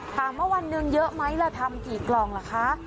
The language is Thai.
ค่ะเมื่อวันหนึ่งเยอะไหมล่ะทำกี่กล่องล่ะคะ